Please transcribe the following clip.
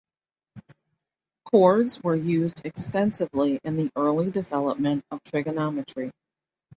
Chords were used extensively in the early development of trigonometry.